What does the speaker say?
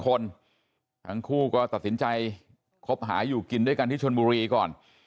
คนทั้งคู่ก็ตัดสินใจคบหาอยู่กินด้วยกันที่ชนบุรีก่อน